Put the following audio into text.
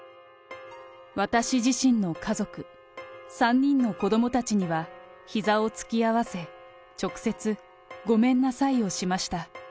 私自身の家族、３人の子どもたちにはひざを突き合わせ、直接、ごめんなさいをしました。